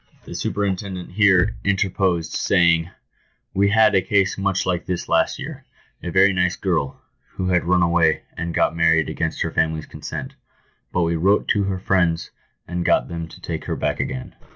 * 19 The superintendent here interposed, saying, " "We had a case much like this last year, — a very nice girl, who had run away and got married against her family's consent, but we wrote to her friends and got them to take her back again."